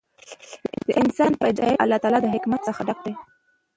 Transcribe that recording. د انسان پیدایښت د الله تعالی له حکمت څخه ډک دی.